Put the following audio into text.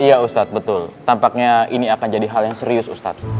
iya ustadz betul tampaknya ini akan jadi hal yang serius ustadz